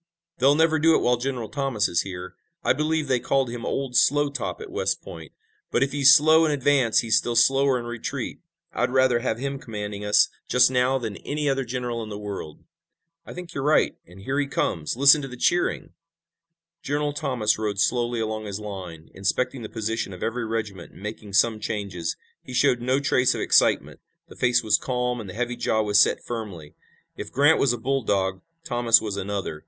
"They'll never do it while General Thomas is here. I believe they called him 'Old Slow Top' at West Point, but if he's slow in advance he's still slower in retreat. I'd rather have him commanding us just now than any other general in the world." "I think you're right, and here he comes! Listen to the cheering!" General Thomas rode slowly along his line, inspecting the position of every regiment and making some changes. He showed no trace of excitement. The face was calm and the heavy jaw was set firmly. If Grant was a bulldog Thomas was another.